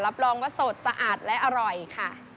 รับรองว่าสดสะอาดและอร่อยค่ะ